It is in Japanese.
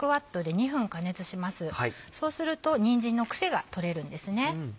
そうするとにんじんの癖が取れるんですね。